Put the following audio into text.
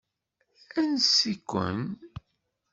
Ansa-ken?